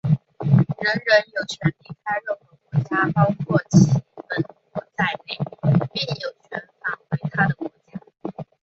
人人有权离开任何国家,包括其本国在内,并有权返回他的国家。